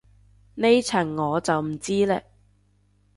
呢層我就唔知嘞